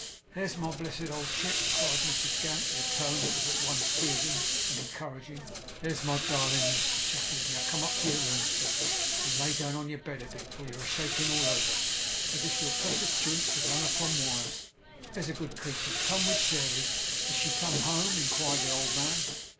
'There's my blessed old chick!' cried Mrs Gamp, in a tone that was at once soothing and encouraging. 'There's my darlin' Mr Chuffey! Now come up to your own room, sir, and lay down on your bed a bit; for you're a shakin' all over, as if your precious jints was hung upon wires. That's a good creetur! Come with Sairey!' 'Is she come home?' inquired the old man.